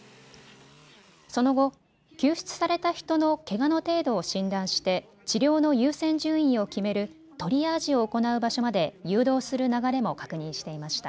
その後、救出された人のけがの程度を診断して治療の優先順位を決めるトリアージを行う場所まで誘導する流れも確認していました。